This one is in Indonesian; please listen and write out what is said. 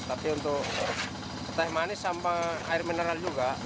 tapi untuk teh manis sama air mineral juga